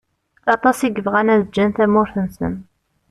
Aṭas i yebɣan ad ǧǧen tamurt-nsen.